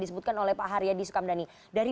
disebutkan oleh pak haryadi sukamdhani dari